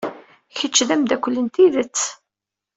Kečč d ameddakel n tidet.